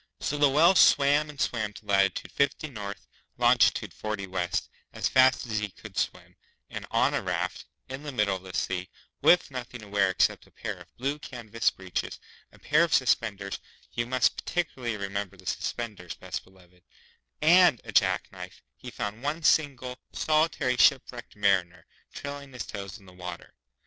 So the Whale swam and swam to latitude Fifty North, longitude Forty West, as fast as he could swim, and on a raft, in the middle of the sea, with nothing to wear except a pair of blue canvas breeches, a pair of suspenders (you must particularly remember the suspenders, Best Beloved), and a jack knife, he found one single, solitary shipwrecked Mariner, trailing his toes in the water.